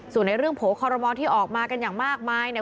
ส่วนในเรื่องโผล่คอรมอลที่ออกมากันอย่างมากมายเนี่ย